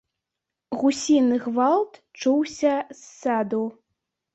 Гусіны гвалт чуўся з саду.